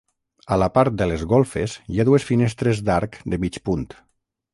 A la part de les golfes hi ha dues finestres d'arc de mig punt.